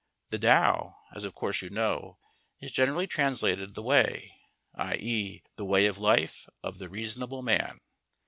"The Tao," as of course you know, is generally translated The Way, i.e., the Way of Life of the Reasonable Man.